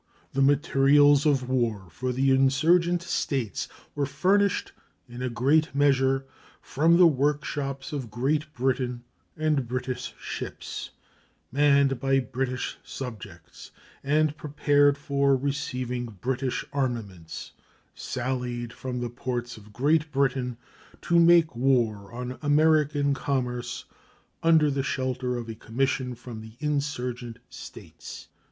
The materials of war for the insurgent States were furnished, in a great measure, from the workshops of Great Britain, and British ships, manned by British subjects and prepared for receiving British armaments, sallied from the ports of Great Britain to make war on American commerce under the shelter of a commission from the insurgent States.